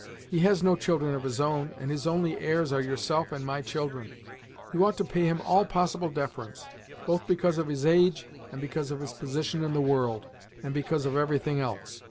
He has no children of his own, and his only heirs are yourself and my children. You ought to pay him all possible deference, both because of his age, and because of his position in the world, and because of everything else.